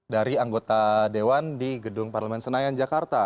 dari anggota dewan di gedung parlemen senayan jakarta